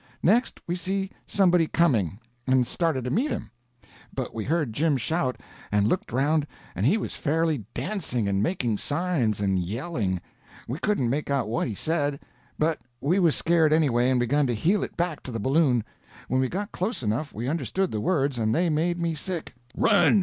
Next, we see somebody coming, and started to meet him; but we heard Jim shout, and looked around and he was fairly dancing, and making signs, and yelling. We couldn't make out what he said, but we was scared anyway, and begun to heel it back to the balloon. When we got close enough, we understood the words, and they made me sick: "Run!